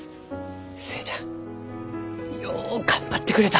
寿恵ちゃんよう頑張ってくれた。